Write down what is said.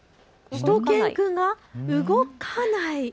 しゅと犬くんが動かない。